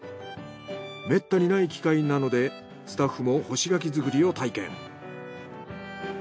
めったにない機会なのでスタッフも干し柿作りを体験。